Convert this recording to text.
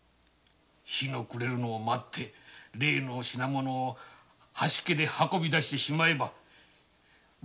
日の暮れるのを待って例の品物をハシケで運び出してしまえばそれまでの事